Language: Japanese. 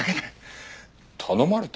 頼まれた？